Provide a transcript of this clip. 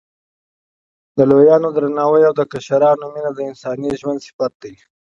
د لویانو درناوی او د کشرانو مینه د انساني ژوند صفت دی.